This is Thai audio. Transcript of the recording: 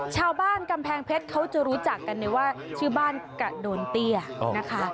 ชาวบ้านกำแพงเพชรเขาจะรู้จักกันเลยว่าชื่อบ้านกระโดนเตี้ยนะคะ